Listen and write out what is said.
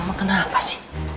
mama kenapa sih